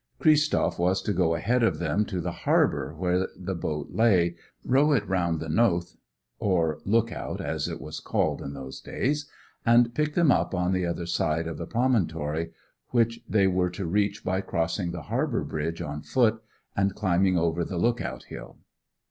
Christoph was to go ahead of them to the harbour where the boat lay, row it round the Nothe—or Look out as it was called in those days—and pick them up on the other side of the promontory, which they were to reach by crossing the harbour bridge on foot, and climbing over the Look out hill.